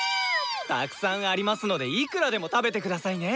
たくさんありますのでいくらでも食べて下さいね！